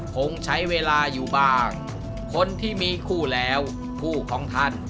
คงใช้เวลาอยู่บางคนที่มีคู่แล้วคู่ของท่าน